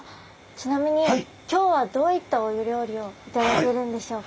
ちなみに今日はどういったお料理を頂けるんでしょうか？